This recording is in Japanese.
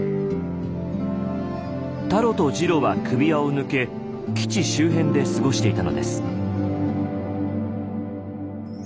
タロとジロは首輪を抜け基地周辺で過ごしていたのです。